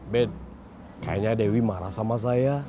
bed kayaknya dewi marah sama saya